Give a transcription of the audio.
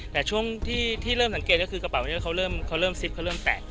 แต่ช่วงที่เริ่มสังเกตก็คือกระเป๋านี้เขาเริ่มซิปเขาเริ่มแปะ